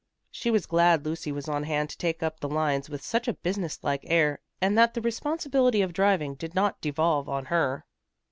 She was glad Lucy was on hand to take up the lines with such a business like air, and that the responsibility of driving did not devolve on herself.